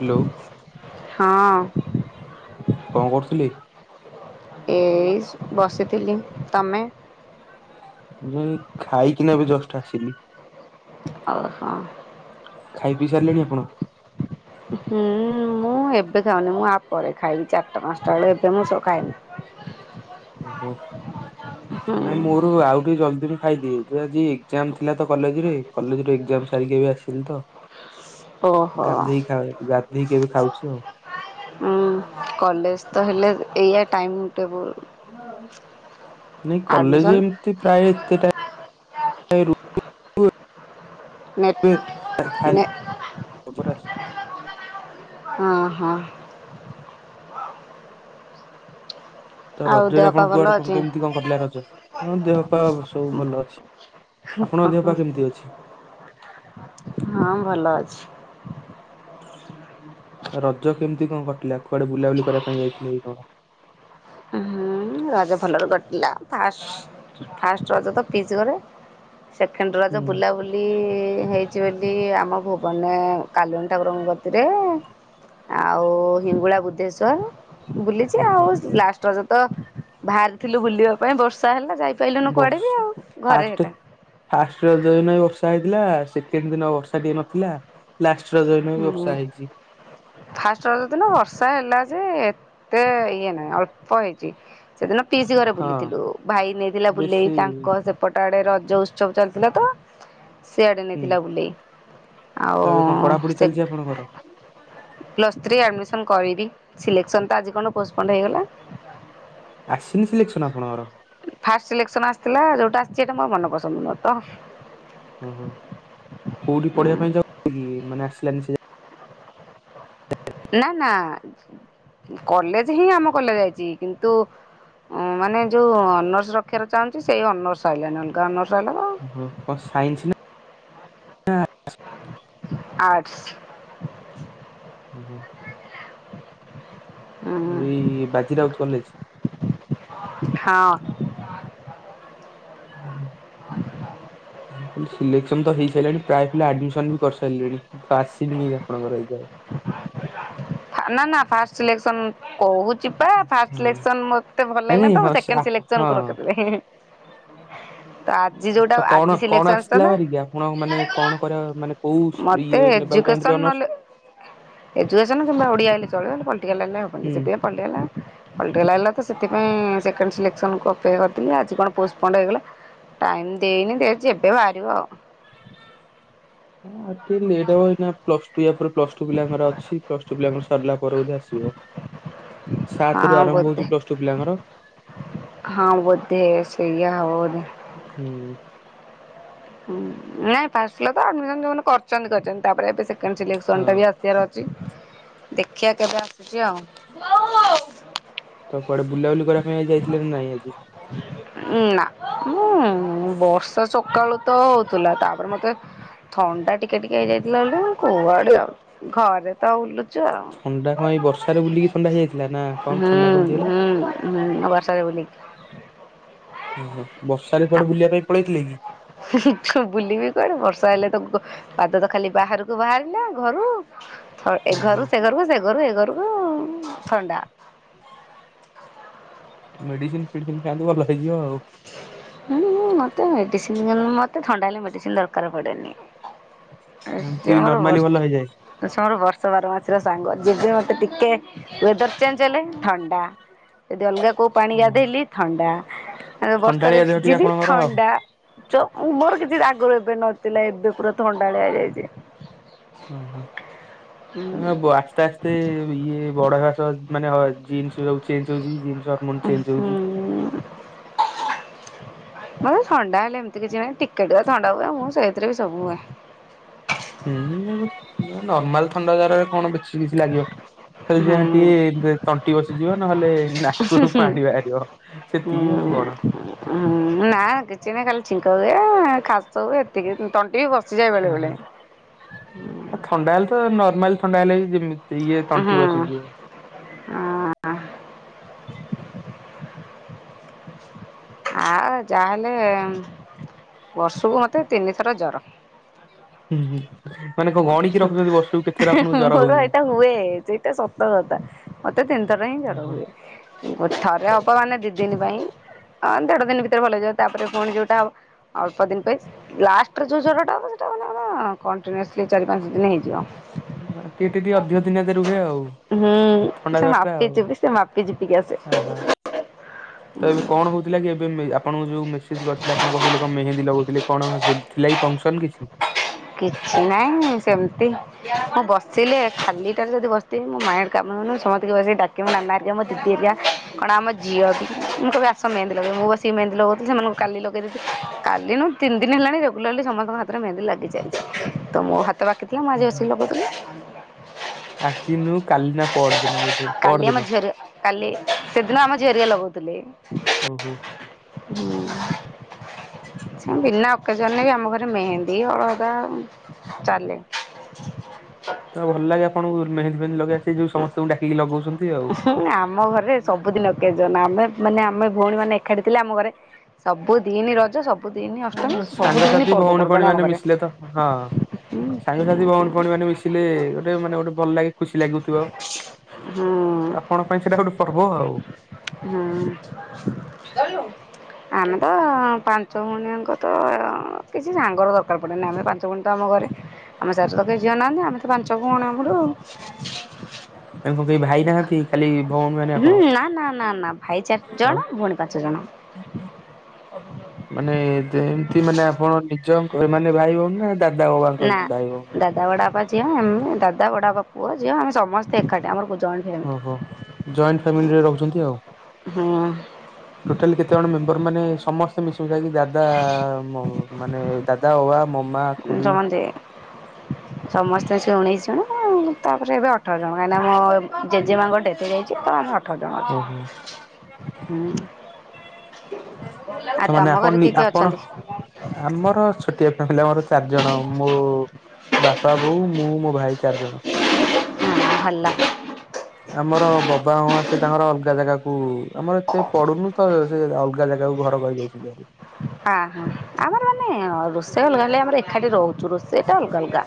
Hello କଣ କରୁଥିଲି ଏଇ ବସିଥିଲି, ତମେ? ମୁ ଖାଇକିନା ବି ଜଷ୍ଟ ଆସିଲି। ଓହୋ ଖାଇପିଇ ସାରିଲେଣି ଆପଣ? ହୁଁ ମୁଁ ଏବେ ଖାଉନି, ମୁଁ ଆପରେ ଖାଇଲି ଚାରିଟା ପାଞ୍ଚଟା ବେଳ ଏବେ ମୁଁ ସବୁ ଖାଏନି। ଓହୋ ହୁଁ ନାଇଁ ମୋର ଆଉ ଟିକି ଜଲଦି ବି ଖାଇଦି ଯେ ଆଜି ଏଜାମ ଥିଲା ତ କଲେଜରେ, କଲେଜ ଏଜାମ ସାରିକି ଏ ଆସିଲି ତ। ଓହୋ। ଗାଧେଇକି ଖାଉ ଗାଧେଇକି ଏବେ ଖାଉଛି ଆଉ। ଉଁ କଲେଜ ତ ହେଲେ ଏଇଆ ଟାଇମ ନାଇଁ କଲେଜ ଆଡ଼ମିସନ୍ ଏମିତି ପ୍ରାୟ ଏତେ ଟ [unintelligible] ରୁ ନେଟ୍ ନେ [unintelligible] ହଁ ହଁ। ହୁଁ। ତ ଆଉ ରଜରେ ଦେହ ପା ଆପଣ ଭଲ କୁଆଡେ଼ କଣ ଅଛି? କେମିତି କଣ କଟିଲା ରଜ, ହଁ ଦେହ ପା ଆମର ସବୁ ଭଲ ଅଛି। ଆପଣଙ୍କ ଦେହପା କେମିତି ଅଛି? ହଁ ଭଲ ଅଛି। ରଜ କେମିତି କଣ କଟିଲା, କୁଆଡ଼େ ବୁଲାବୁଲି କରିବା ପାଇଁ ଯାଇଥିଲେ କି କଣ? ହୁଁ ରଜ ଭଲରେ କଟିଲା ଫାଷ୍ଟ ଫାଷ୍ଟ ରଜ ତ ପିଇସି ଘରେ। ସେକେଣ୍ଡ ରଜ ହୁଁ ବୁଲାବୁଲି ହେଇଛି ବେଲି ଆମ ଭୁବନ ରେ କାଲୁଣୀ ଠାକୁରଙ୍କ କତିରେ ଆଉ ହିଙ୍ଗୁଳା ବୁଦ୍ଧେଶ୍ୱର ବୁଲିଛି ଓହୋ ଆଉ ଲାଷ୍ଟ ରଜତ ବାହାରିଥିଲୁ ବୁଲିବା ପାଇଁ ବର୍ଷା ହେଲା ଯାଇ ବର୍ଷ ଫାଷ୍ଟ ଫାଷ୍ଟ ରାଜ ଦିନ ବି ବର୍ଷା ହେଇଥିଲା। ସେକେଣ୍ଡ ଦିନ ବର୍ଷା ଟିକେ ନଥିଲା, ଲାଷ୍ଟ ରଜ ଦିନ ବି ହୁଁ ବର୍ଷା ହେଇଛି ଫାଷ୍ଟ ରଜ ଦିିନ ବର୍ଷା ହେଲା ଯେ ଏତେ ଇଏ ନାହିଁ ଅଳ୍ପ ହେଇଛି ସେଦିନ ପିସି ଘରେ ହଁ ବୁଲିଥିଲୁ ଭାଇ ନେଇଥିଲା ବୁଲେଇ ବେଶୀ ତାଙ୍କ ସେପଟ ଆଡେ ରଜ ଉତ୍ସବ ଚାଲିଥିଲା ତ ସେଆଡ଼େ ହୁଁ ନେଇଥିଲା ବୁଲେଇ। ତ ଆଉ ଏବେ କଣ ପଢାପଢି ସେ ଚାଲିଛି ଆପଣଙ୍କର ପ୍ଲସଥ୍ରୀ ଆଡ଼ମିସନ କରିବି। ସିଲେକ୍ସନ୍ ଟା ଆଜି କଣ ପୋଷପଣ୍ଡ ହେଇଗଲା। ଆସିନି ସିଲେକ୍ସନ ଆପଣଙ୍କର? ଫାଷ୍ଟ ସିଲେକ୍ସନ୍ ଆସିଥିଲା ଯୋଉଁଟା ଆସିଛି ସେଇଟା ମୋର ମନ ପସନ୍ଦ ନୁହଁ ତ ଓହୋ କୋଉଠି ପଢିବା ପାଇଁ ଚାହୁଥିଲେ କି ମାନେ ଆସିଲାନି ସେ ନା ନା କଲେଜ ହିଁ ଆମ କଲେଜ ଆଇଛି କିନ୍ତୁ ମାନେ ଯୋଉ ଅନର୍ସ ରଖିବାର ଚାହୁଁଛି ସେଇ ଅନର୍ସ ଆଇଲାନି ଅଲଗା ଅନର୍ସ ଆଇଲା ତ ଓ ହୋ କଣ ସାଇନ୍ସ ନା ନା ଆର୍ଟ୍ସ। ଓ ହୋ। ହୁଁ ଏଇ ବାଜି ରାଉତ କଲେଜ। ହଁ। [inaudible] ସିଲେକ୍ସନ ତ ହେଇସାରିଲାଣି ପ୍ରାୟ ପିଲା ଆଡମିସନ ବି କରିସାରିଲେଣି କିନ୍ତୁ ଆସିନି କେମିତି ଆପଣଙ୍କର ଏଯାଏ। [inaudible] ନା ନା ଫାଷ୍ଟ ସିିଲେକ୍ସନ୍ କହୁଛି ପା ଫାଷ୍ଟ ହଁ ସିଲେକ୍ସନ ମତେ ଭଲ ନାଇଁ ଲାଗିଲା ନାଇଁ ତ ମୁ ହଁ ସେ ସେକେଣ୍ଡ ଆପ ସିଲେକ୍ସନ ହଁ କୁ ରଖିଥିଲି। [inaudible] ଆଜି ଯୋଉଟା ତ କଣ ଆଜି କଣ ସିଲେକ୍ସନ ଆସିଥିଲା ଆସିଥାନ୍ତା ଭାରିକି ଆପଣ ମାନେ କଣ କରିବା ମାନେ କୋଉ ମତେ ଇଏ ନେବାକୁ ଚାହୁଁଥିଲେ ଏଜୁକେସନ୍ ଅନର୍ସ ନହେଲେ ଏଜୁକେସନ୍ ନହେଲେ ଓଡ଼ିଆ ହେଲେ ଚଲିବ ହେଲେ ପଲିଟିକାଲ ହେଲେ ହବନି ହୁଁ। ସେଥିପାଇଁ ପଲିଟିକାଲ। ପଲିଟିକାଲ ଆଇଲା ତ ସେଥିପାଇଁ ସେକେଣ୍ଡ ସିଲେକ୍ସନ୍ କୁ ଅପେକ୍ଷା କରିଥିଲି ଆଜି କଣ ପୋଷ୍ଟପଣ୍ଡ ହେଇଗଲା। ଟାଇମ୍ ଦେଇନି ଦିଆହେଇଛି ଏବେ ବାହାରିବ। ଆ ଟିକେ ଲେଟ୍ ହେବ ଏଇନା ପ୍ଲସ ଟୁ ୟା ପରେ ପ୍ଲସ୍ ଟୁ ପିଲାଙ୍କର ଅଛି ପ୍ଲସ ଟୁ ପିଲାଙ୍କର ସରିଲା ପରେ ବୋଧେ ଆସିବ। ସାତ ରୁ ହଁ ଆରମ୍ଭ ହଉଛି ବୋଧେ ପ୍ଲସ ଟୁ ପିଲାଙ୍କର ହଁ ବୋଧେ ସେଇୟା। ହବ ବୋଧେ। ହୁଁ। ହୁ ନାଇଁ ଫାଷ୍ଟ ପିଲା ତ ଆଡ଼ମିଶନ ଯୋଉ ମାନେ କରିଛନ୍ତି କରିଛନ୍ତି ତାପରେ ଏବେ ସେକେଣ୍ଡ ହଁ। ସିଲେକ୍ସନ ଟା ବି ଆସିବାର ଅଛି। ଦେଖିବା କେବେ ଆସୁଛି ଆଉ। ତ କୁଆଡ଼େ ବୁଲାବୁଲି କରିବା ପାଇଁ ଆଜି ଯାଇଥିଲେ ନା ନାଇଁ ଆଜି? ଉୁଁ ବର୍ଷା ସକାଳୁ ତ ହଉଥିଲା ତାପରେ ମତେ ଥଣ୍ଡା ଟିକେ ଟିକେ ହେଇଯାଇଥିଲା ବୋଲି ମୁଁ କୁଉଆଡ଼େ ଯାଉଚି ଘରେ ତ ବୁଲୁଚି। ଥଣ୍ଡା କଣ ଏଇ ବର୍ଷାରେ ବୁଲିକି ଥଣ୍ଡା ହେଇଯାଇଥିଲା ନା କଣ ହୁଁ ଥଣ୍ଡା କେମିତି ହେଲା? ହୁଁ ହୁଁ ବର୍ଷାରେ ଓ ହୋ ବର୍ଷାରେ କୁଆଡ଼େ ବୁଲିବା ପାଇଁ ପଳେଇଥିଲେ? କି? ହୁ ହୁ ବୁଲିବି କୁଆଡେ ବର୍ଷା ହେଲା। [unintelligible] ପାଦ ତ ଖାଲି ବାହାରକୁ ବାହାରିଲା ଘରୁ। ଥ ଏ ଓହୋ ଘରୁ ସେ ଘରୁ ସେ ଘରୁ ଏ ଘରୁ। ଉଁ ଥଣ୍ଡା। ମେଡିସିନ ଫେଡିସିନ ଖାଆନ୍ତୁ ଭଲ ହେଇଯିବ ଆଉ। ହୁଁ ମତେ ମେଡିସିନ ମତେ ଥଣ୍ଡା ହେଲେ ମେଡିସିନ ଦରକାର ପଡେନି। ସେ ଏମିତି ମୋର ନର୍ମାଲି ବର୍ଷ ଭଲ ହେଇଯାଏ। ସେ ମୋର ବର୍ଷ ବାରମାସି। ର ସାଙ୍ଗ ଯେବେ ମୋତେ ଟିକେ ୱେଦର ଚେଞ୍ଜ ହେଲେ ଥଣ୍ଡା ଯଦି ଅଲଗା କୋଉ ପାଣି ଗାଧେଇଲି ଥଣ୍ଡା। ବର୍ଷାରେ ଥଣ୍ଡାଳିଆ ଦେହ ଟିକେ ଭିଜିଲି ଆପଣଙ୍କର ଆଉ ଥଣ୍ଡା। ତ ମୋର କିଛି ଆଗରୁ ଏବେ ନଥିଲା ଏବେ ପୁରା ଥଣ୍ଡାଳିଆ ହେଇ ଯାଇଛି। ଉ ହୁଁ। ହ ବ ଆସ୍ତେ ଆସ୍ତେ ଇଏ ବଡ ଘାସ ମାନେ ଜିନ୍ସ ଚେଞ୍ଜ ହଉଛି ଏ ଯୋଉ ଜିନ୍ସ। ହରମୋନ୍ ଚେଞ୍ଜ ହୁଁ ହଉଛି। ମତେ ଥଣ୍ଡା ହେଲେ ଏମିତି କିଛି ନାହିଁ ଟିକେ ଟିକେ ଥଣ୍ଡା ହୁଏ ମୁଁ ସେଇଥିରେ ବି ସବୁ ହୁଏ। ହୁଁ ନର୍ମାଲ ଥଣ୍ଡା ଜରରେ କଣ ବେଶୀ କିଛି ଲାଗିବ। ଲେ ଯା ହୁଁ ଟିକେ ତଣ୍ଟି ବସିଯିବ ନହେଲେ ନାକରୁ ପାଣି ବାହାରିବ ସେତିକି ଆଉ ବଡ? ହୁଁ ନା କିଛି ନାଇଁ ଖାଲି ଛିଙ୍କ ହୁଏ ଖାସ ହୁଏ ଏତିକି ତଣ୍ଟି ବି ବ ଓ ହ ଥଣ୍ଡା ହେଲେ ତ ନର୍ମାଲ ଥଣ୍ଡା ହେଲେ ଯେମିତି ତି ଇଏ ତଣ୍ଟି ହୁଁ ବସିଯିବ। ଆଉ ଯାହାହେଲେ ବର୍ଷକୁ ମତେ ତିନିଥର ଜର। ହୁଁ ହୁଁ ମାନେ କଣ ଗଣିକି ରଖୁଛନ୍ତି ବର୍ଷକୁ କେତେ ହେଁ ହେଁ ମୋର ଏଇଟା ହୁଏ ସେଇଟା ସତ କଥା ମତେ ତିନିଥର ହିଁ ଜର ଓହୋ ହୁଏ। ଥରେ ହବ ମାନେ ଦି ଦିନି ପାଇଁଁ ଆ ଦେଢ଼ ଦିନ ଭିତରେ ଭଲ ଯିବ ତାପରେ ପୁଣି ଯୋଉଟା ଅଳ୍ପ ଦିନ ପାଇଁ ଲାଷ୍ଟରେ ଯୋଉା ଜରଟା ହବ ସେଟାମାନେ ପୁରା କଣ୍ଟିନିଉସିଲି। ଏ ଚାରି ପାଞ୍ଚ ଦିନ ହେଇଯିବ। ହଁ ଟିକେ ଟିକେ ଅଧିକ ଦିନ ଧରି ରୁହେ ଆଉ। ହୁଁ ଥଣ୍ଡା ସେ ଜର ଟା ମାପି ଆଉ। ଚିପି ସେ ମାପି ଚିପିକି ଅହ ଆସେ। ତ ଏବେ କଣ ହଉଥିଲା କି ଏବେ ମି ଆ ଆପଣଙ୍କୁ ଯୋଉ ମେସେଜ କରିଥିଲି ଆପଣ କହୁଥିଲେ କଣ ମେହେନ୍ଦୀ ଲଗୁଥିଲେ କଣ ଥିଲା ଫଙ୍କସନ କିଛି? କିଛି ନାଇଁ ସେମିତି ମୁଁ ବସିଲେ ଖାଲିଟାରେ ଯଦି ବସିଥିବି ମୋ ମାଇଣ୍ଡ କାମ ମୁଁ ସମସ୍ତିଙ୍କି ବସିକି ଡ଼ାକିମି ନା ନା ଆରିକା ମୋ ଦିଦି ହାରିକା କଣ ଆମ ଝିଅ କି ମୁଁ କବି ଆସ ମେନ୍ଦୀ ଲଗେଇବ ମୁଁ ବସି ମେନ୍ଦୀ ଲଗଉଥିଲି ସେମାନଙ୍କୁ କାଲି ଲଗେଇଦେଇଥିଲି କାଲିନୁ ତିନି ଦିନି ହେଲାଣି ରେଗୁଲାରଲି ସମସ୍ତଙ୍କହାତରେ ମେହେନ୍ଦି ଲାଗିଛି। ତ ମୋ ହାତ ବାକି ଥିଲା ମୁଁ ଆଜି ଲଗଉଥିଲି। ଆଖିନୁ କାଲି ନା ପଅରଦିନ ବୋଧେ କାଲି ଆମ ପଅରଦିନ ଝିଅ ହେରିକା ଏ ଓହୋ। ହୁଁ ବିନା ଅକେଜନରେ ବି ଆମ ଘରେ ମେହେନ୍ଦୀ ହଳ ତା ଚାଲେ ତ ଭଲ ଲାଗେ ଆପଣଙ୍କୁ ମେହେନ୍ଦୀ ଫେହେନ୍ଦୀ ଲଗେଇବା ସେ ଯୋଉ ସମସ୍ତଙ୍କୁ ଡାକିକି ଲଗଉଛନ୍ତି ଆଉ। ଆମ ଘରେ ସବୁଦିନ ଅକେଜନ ଆମେ ମାନେ ଆମେ ଭଉଣୀ ମାନେ ଏକାଠି ଥିଲେ ଆମ ଘରେ ସବୁ ଦିନି ରଜ ସବୁ ସାଙ୍ଗସାଥି ଭଉଣୀ ଫଉଣୀ ଆମ ମାନେ ଘରେ ମିଶିଲେ ତ ହଁ ସାଙ୍ଗସାଥି ଭଉଣୀ ଫଉଣୀ ମାନେ ମିଶିଲେ ଗୋଟେ ମାନେ ଗୋଟେ ଭଲ ଲାଗେ ଖୁସି ଖୁସି ଲାଗୁଥିବ ହୁଁ ଆପଣଙ୍କ ପାଇଁ ସେଇଟା ଗୋଟେ ପର୍ବ ଆଉ। ହୁଁ। [unintelligible] ଆମେ ତ ପାଞ୍ଚ ଭଉଣୀ ଆଙ୍କ ତ କିଛି ସାଙ୍ଗର ଦରକାର ପଡ଼େନି ଆମେ ପାଞ୍ଚ ଭଉଣୀ ତ ଆମ ଘରେ ଆମ ଶାଶୁର ତ ଝିଅ ନାହାନ୍ତି ଆମେ ତ ପାଞ୍ଚ [unintelligible] ଆଉ [unintelligible] ତାଙ୍କ କେହି ଭାଇ ନାହାନ୍ତି ଖାଲି ଭଉଣୀ ମାନେ ହୁଁ ଆପଣ ନା ନା ନା ନା ଭାଇ ଚାରି ଜଣ ଆଉ ଭଉଣୀ ପାଞ୍ଚ ଜଣ [unintelligible] ମାନେ ଯେମିତି ମାନେ ଆପଣ ନିଜଙ୍କ ମାନେ ଭାଇ ଭଉଣୀ ନାହାନ୍ତି ଦାଦା ନା ବଡ଼ବାପା ଭାଇ ଭଉଣୀ ଦାଦା ବଡ଼ବାପା ଝିଅ ଏମ ଦାଦା ବଡ଼ା ବାପା ପୁଅ ଝିଅ ଆମେ ସମସ୍ତେ ଏକାଠି ଆମର ଜଏଣ୍ଟ ଫ୍ୟାମିଲି ଓହୋ ଜଏଣ୍ଟ ଫାମିଲିରେ ରହୁଛନ୍ତି ଆଉ। ହୁଁ। ଟୋଟାଲି କେତେ ଜଣ ମେମ୍ବର ମାନେ ସମସ୍ତେ ମିଶି ମୁଶାକି ଦାଦା ମ୍ ମାନେ ଦାଦା ବବା ମା ଖୁଡ଼ି ସମସ୍ତେ ସମସ୍ତେ ସେ ଉଣେଇଶି ଜଣ ଆଉ ତାପରେ ଏବେ ଅଠର ଜଣ କାହିଁକିନା ଆମ ଜେଜେ ମାଙ୍କ ଡ଼େଥ ହେଇଯାଇଛି ତ ଆମେ ଅଠ ଠର ଜଣ ଓହୋ। ଅଛୁ ହୁଁ। ଆଉ ତାମାନେ ତମ ଘରେ ଆପଣ କିଏ କିଏ ଆପଣ ଅଛନ୍ତି? ଆମର ଛୋଟିଆ ଫା ଆମର ଚାରି ଜଣ ମୋ ବାପା ବୋଉ ମୁଁ ମୋ ଭାଇ ଚାରି ଜଣ। [unintelligible] ଭଲ। ଆମର ବବା ମମା ସେ ତାଙ୍କର ଅଲଗା ଜାଗାକୁ ଆମର ଏତେ ପଡୁନୁ ତ ସେ ଅଲଗା ଜାଗାକୁ ଘର କରିକି ଯାଇଚନ୍ତି ଭାରି। ହଁ ହଁ ଆମର ମାନେ ରୋଷେଇ ଅଲଗା ହେଲେ ଆମର ଏକାଠି ରହୁଛୁ। ଚୁ ରୋଷେଇ ଟା ଅଲଗା ଅଲଗା।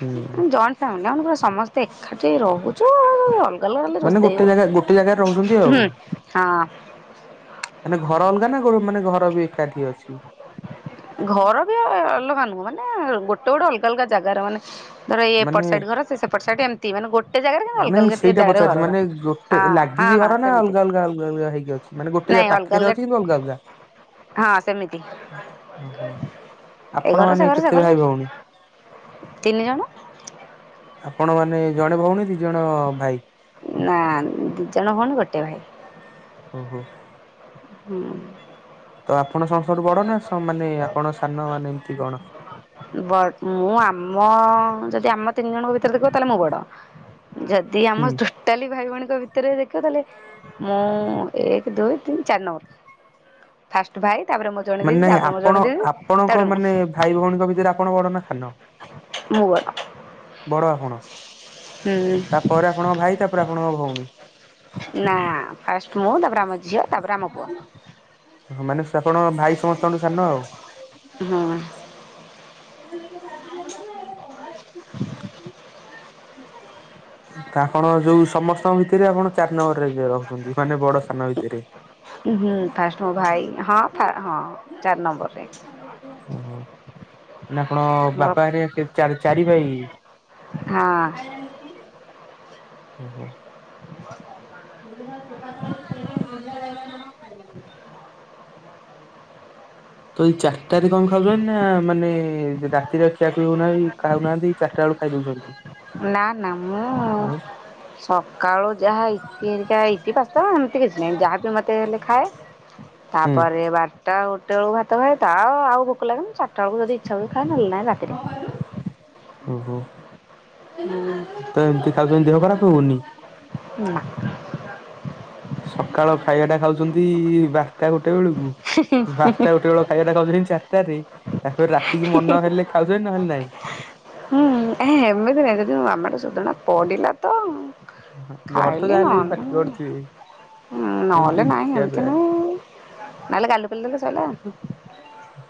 ହୁଁ ଫ୍ୟାମିଲି ଆମ ପୁରା ସମସ୍ତେ ଏକାଠି ରହୁଛୁ ଆଉ ଅଲଗା ଅଲଗା ଖାଲି ମାନେ ରୋଷେଇ ହେଉଛି। ଗୋଟେ ଜାଗା ରେ ରହୁଛନ୍ତି ଆଉ। ମାନେ ଘର ଅଲଗା ନା ମାନେ ଘର ବି ଏକାଠି ଅଛି? ଘର ବି ଅଲଗା ନୁହଁ ମାନେ ଗୋଟେ ଗୋଟେ ଅଲଗା ଅଲଗା ଜାଗାରେ ମାନେ ଧର ଇଏ ମାନେ ଏପଟ ସାଇଡ ଘର ସେ ସେପଟ ସାଇଡ଼ ଏମିତି ମାନେ ଗୋଟେ ଜାଗାରେ କିନ୍ତୁ ଅଲଗା ନାଇଁ ଅଲଗା ଟିକେ ସେଇଟା ଜାଗାରେ ପଚାରୁଛି ଘରରା। ମାନେ ଗୋଟେ ହଁ ହଁ ଲାଗିଚି ହଁ ଘର ନା ସେମିତି ଅଲଗା ଅଲଗା ଅଲଗା ଅଲଗା ହେଇକି ଅଛି ମାନେ ନାଇଁ ଗୋଟେ ଅଲଗା ପାଖରେ ଅଛି କିନ୍ତୁ ଅଲଗା ଅଲଗା। ହଁ ସେମିତି। ଓହୋ ଏ ଆପଣ ଘର ସେ ମାନେ ଘର କେତେ ଭାଇ ଭଉଣୀ? କଣ? ଆପଣ ମାନେ ଜଣେ ଭଉଣୀ ଦି ଜଣ ଭାଇ? ନାଇଁ ଦିଜଣ ଭଉଣୀ ଗୋଟେ ଭାଇ। ଓହୋ। ହୁଁ। ତ ଆପଣ ସମସ୍ତଠୁ ବଡ ନା ମାନେ ଆପଣ ସାନ ମାନେ ଏମିତି କଣ? ବଟ ମୁଁ ଆମ ଆଁ ଯଦି ଆମ ତିନି ଜଣଙ୍କ ଭିତରେ ଦେଖିବ ତାହେଲେ ମୁଁ ବଡ ଯଦି ଆମ ହୁଁ ଟୋଟାଲି ଭାଇ ଭଉଣୀ ଭିତରେ ଦେଖିବ ତାହେଲେ ମୁଁ ଏକ ଦୁଇ ତିନି ଚାରି ନମ୍ବର। ଫାଷ୍ଟ ଭାଇ ତାପରେ ମୋ ଜଣେ ଦିଦି ମାନେ ତାପରେ ମୋ ଜଣେ ଆପଣ ଦିଦି ଆପଣଙ୍କ ତାପରେ ମୁଁ ମାନେ ଭାଇ ଭଉଣୀଙ୍କ ଭିତରେ ଆପଣ ବଡ ନା ସାନ? ମୁଁ ବଡ଼। ବଡ ଆପଣ ତାପରେ ଆପଣଙ୍କ ଭାଇ ତାପରେ ଆପଣଙ୍କ ଭଉଣୀ? ନା ପାଷ୍ଟ ମୁଁ ତାପରେ ଆମ ଝିଅ ତାପରେ ଆମ ପୁଅ। ମାନେ ଆପଣଙ୍କ ଭାଇ ସମସ୍ତଙ୍କଠୁ ସାନ ଆଉ। ହୁଁ [inaudible] ଆପଣ ଯୋଉଁ ସମସ୍ତଙ୍କ ଭିତରେ ଆପଣ ଚାରି ନମ୍ବର ରେ ଯିଏ ରହୁଛନ୍ତି ମାନେ ବଡ ସାନ ଭିତରେ। ହଁ ଫାଷ୍ଟ ମୋ ଭାଇ ହଁ ହଁ ଚାରି ନମ୍ବରରେ। ଓହୋ ମ ଆପଣ ହଁ ବାପା ହାରିକା ଚାରି ଭାଇ? ଓହୋ। [unintelligible] ତ ଏଇ ଚାରିଟାରେ କଣ ଖାଉଛନ୍ତି ନା ମାନେ ରାତିରେ ଆଉ ଖିଆ ଖୁଇ ହଉନାହାନ୍ତି ଖାଉନାହାନ୍ତି। ଚାରିଟାବେଳଳୁ ଖାଇ ଦେଉଛନ୍ତି। ନା ନା ମୁଁ ସକାଳୁ ଯାହା ୟିପି ଘେରିକା ୟିପି ତ ଏମିତି କିଛି ନାହିଁ ଯାହାବି ମୋତେ ହେଲେ ଖାଏ ହୁଁ ତାପରେ ବାର ଟା ବାରଟା ଗୋଟେ ବେଳକୁ ଭାତ ଖାଏ ତା ଆଉ ଭୋକ ଲାଗେନି ଚାରିଟା ବେଳକୁ ଯଦି ଇଚ୍ଛା ହୁଏ ଖାଏ ନହେଲେ ନାହିଁ ରାତିରେ। ଓହୋ ହୁଁ ତ ଏମିତି ଖାଉଛନ୍ତି ଦେହ ଖରାପ ହଉନି? ନାଁ। ସକାଳ ଖାଇବା ଟା ଖାଉଛନ୍ତି ବାରଟା ଗୋଟେ ବେଳକୁ ବାରଟା ଗୋଟେ ବେଳ ଖାଇବାଟା ଖାଉଛନ୍ତି ଚାରିଟା ରେ ତାପରେ ରାତିକି ମନ ହେଲେ ଖାଉଛନ୍ତି ନହେଲେ ନାହିଁ? ହୁଁ ଏମିତି ନାଇଁ ଯଦି ମାମାର ସୋଧଣା ପଡ଼ିଲା ତ ଘର ତ ଯାହାଲେ ପାଟି କରୁଥିବେ। ହଁ ନହେଲେ ଏମିତି ନାହିଁ ଖିଆ ଏମିତି ପିଆ ନୁହେଁ। ନହେଲେ ଗାଲୁ କରିଦେଲେ ସଇଲା ଆଉ।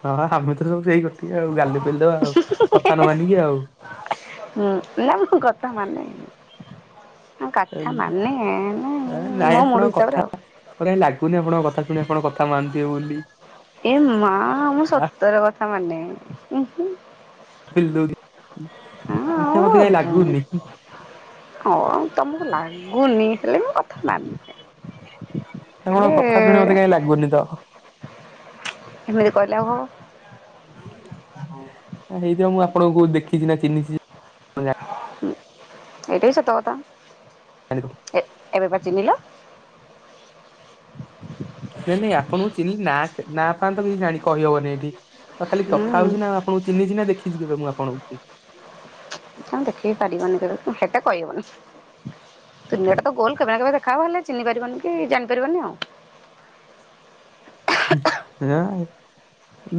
ହଁ ଆମେ ତ ସବୁ ସେଇ ଗୋଟିଏ ଆଉ ଗାଲୁ ପେଲି ଦେବା ଆଉ କଥା ନ ମାନିକି ଆଉ। ହୁଁ ନା ମୁଁ କଥା ମାନେ। କଥା ମାନେ ନା ନାଇଁ ମୋ ମୁଡ ଆପଣଙ୍କ କଥା ହିସାବରେ ଆଉ। ମତେ କାଇଁ ଲାଗୁନି ଆପଣଙ୍କ କଥା ଶୁଣି ଆପଣ କଥା ମାନୁଥିବେ ବୋଲି। ଏ ମା, ମୁଁ ସତରେ କଥା ମାନେ। ଊଁ, ହୁଁ। [unintelligible] ମତେ କାଇଁ ହୁଁ ଲାଗୁନି। ହଁ, ତମକୁ ଲାଗୁନି ହେଲେ ବି ମୁଁ କଥା ମାନେ। ହେଲେ ଆପଣଙ୍କ କଥା ଶୁଣି ମତେ କାଇଁ ଲାଗୁନି ତ। ଏମିତି କହିଲା ଆଉ ହବ? [inaudible] ଏ ହେଇଥିବ ମୁଁ ଆପଣଙ୍କୁ କୋଉ ଦେଖିଛି ନା ଚିହ୍ନିଛି। [inaudible] ହୁଁ ଏଇଟାବି ସତ କଥା। ହାଲୋ। ଏ ଏବେ ପା ଚିହ୍ନିଲ। [inaudible] ନାଇଁ ନାଇଁ ଆପଣଙ୍କୁ ଚିହ୍ନି ନାଁ ନାଁ ଫଁଆ ତ କିଛି ଜାଣି କହିହେବନି ଏଇଠି। ଆଉ ଖାଲି କଥା ହୁଁ। ହଉଛି ନା ଆପଣଙ୍କୁ ଚିହ୍ନିଚି ନା ଦେଖିଛି କେବେ ମୁଁ ଆପଣଙ୍କୁ। କି ପାରିବନି [unintelligible] ହେଟା କହି ହବନି। ଦୁନିଆଟା ତ ଗୋଲ କେବେ ନା କେବେ ଦେଖା ହେବ ହେଲେ ଚିହ୍ନି ପାରିବନି କି ଜାଣିପାରିବନି ଆଉ। ହୁଁ ରାଏ।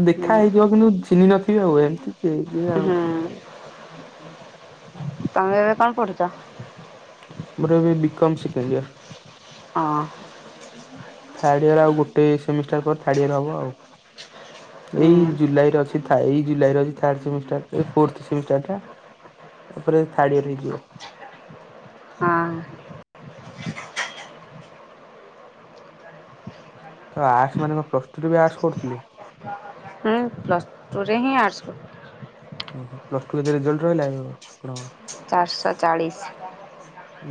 ଦେଖା ହୁଁ ହେଇଥିବ କିନ୍ତୁ ଚିହ୍ନି ନଥିବେ ଆଉ ଏମତି ସେ କିଏ ଜାଣୁଛି। ହୁଁ ତମେ ଏବେ କଣ ପଢୁଛ? ମୋର ଏବେ ବିକମ ସେକେଣ୍ଡ ଇୟର। ହଁ। ଥାର୍ଡଇୟର ଆଉ ଗୋଟେ ସେମିଷ୍ଟାର ପରେ ଥାର୍ଡଇୟର ହବ ଆଉ। ହୁଁ ଏଇ ଜୁଲାଇ ରେ ଅଛି ଏଇ ଜୁଲାଇରେ ଅଛି ଥାର୍ଡ ସେମିଷ୍ଟାର ଟା ଏଇ ଫୋର୍ଥ ସେମିଷ୍ଟାର ଟା। ତାପରେ ଥାର୍ଡଇୟର ହେଇଯିବ। ହଁ [inaudible] ତ ଆର୍ଟ୍ସ ମାନେ କଣ ପ୍ଲସଟୁରେ ବି ଆର୍ଟ୍ସ କରୁଥିଲେ? ହୁଁ ପ୍ଲସ ଟୁ ରେ ହିଁ ଆର୍ଟ୍ସ। ଓହୋ ପ୍ଲସ ଟୁ କେତେ ରେଜଲ୍ଟ ରହିଲା ଓ? ଚାରିଶହ ଚାଳିଶ।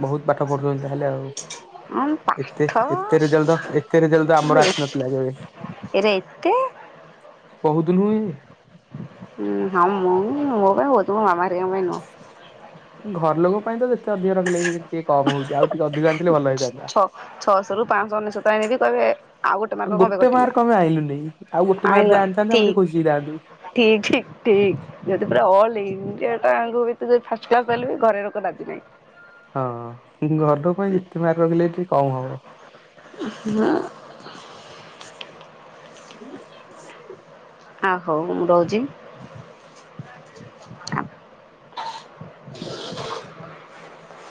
ବହୁତ ପାଠ ପଢୁଛନ୍ତି ତାହେଲେ ଆଉ। ହଁ ଏତେ ପାଠ ଏତେ ରେଜଲ୍ଟ ତ ଏତେ ରେଜଲ୍ଟ ତ ଆମର ଆସିନଥିଲା କେବେ? ଏରା ଏତେ? ବହୁତ ଦିନୁ ହିଁ। ହୁଁ ହଁ ମୁଁ ମୋ ପାଇଁ ବହୁତ ମୋ ମାମା ହେରିକାଙ୍କ ପାଈଁ ନୁହଁ। ଘର ଲୋକ ପାଇଁ ତ ଯେତେ ଅଧିକ ରଖିଲେଗି ବି ସେ ଟିକେ କମ ହଉଛି ଆଉ ଟିକେ ଅଧିକା ଛ ଛଅଶହ ରୁ ପାଞ୍ଚଶହ ଅନେଶତ ଆଣିକି କହିବେ ଆଉ ଗୋଟେ ମାର୍ଗ କଣ ପାଈଁ କଟିଲା। ଉଁ ଆଉ ଗୋଟେ ମାର୍କ ଆଣିଲ ଯଦି ଆଣିଥାନ୍ତୁ ଆମେ ଟିକେ ଖୁସି ହେଇଥାନ୍ତୁ। ଠିକ ଠି ଠିକ୍ ଯଦି ପୁରା ଅଲ୍ ଇଣ୍ଡିଆ ତା ଆଗକୁ ତୁ ଯୋଉ ଫାଷ୍ଟ କ୍ଲାସ ପାଇଲୁ ବୋଲି ଘରେ ଲୋକ ରାଜି ନାହିଁ। ହଁ ଘର ଲୋକଙ୍କ ପାଇଁ ଯେତେ ମାର୍କ ରଖିଲେ ଟିକେ କମ ହବ। [unintelligible] ଦିଲୁ କାଇଁ ପଳେଇଲୁ? ଆ ହୋଉ ମୁଁ ରହୁଛି ହଁ। [inaudible]